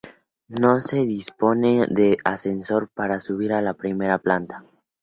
No se dispone de ascensor para subir a la primera planta.